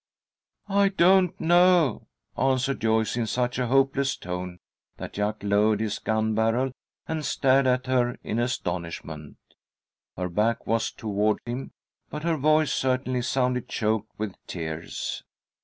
"I don't know," answered Joyce, in such a hopeless tone that Jack lowered his gun barrels and stared at her in astonishment. Her back was toward him, but her voice certainly sounded choked with tears.